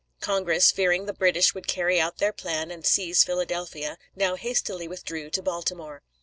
Congress, fearing the British would carry out their plan and seize Philadelphia, now hastily withdrew to Baltimore.